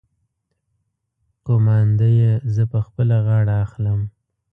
قومانده يې زه په خپله غاړه اخلم.